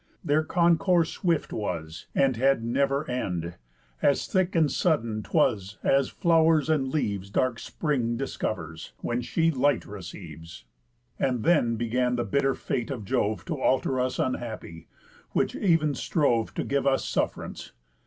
Their concourse swift was, and had never end; As thick and sudden 'twas, as flow'rs and leaves Dark spring discovers, when she light receives. And then began the bitter Fate of Jove To alter us unhappy, which ev'n strove To give us suff'rance.